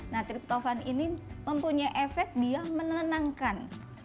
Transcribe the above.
nah triptofan ini mempunyai efek dia menenangkan